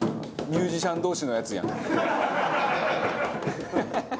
ミュージシャン同士の。